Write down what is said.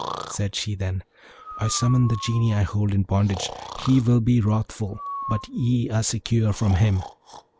Said she then, 'I summon the Genie I hold in bondage. He will be wrathful; but ye are secure from him.